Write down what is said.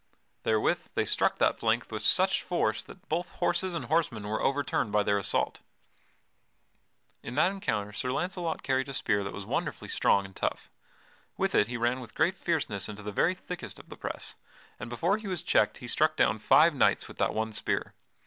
Therewith they struck that flank with such force that both horses and horsemen were overturned by their assault. In that encounter Sir Launcelot carried a spear that was wonderfully strong and tough. With it he ran with great fierceness into the very thickest of the press, and before he was checked he struck down five knights with that one spear.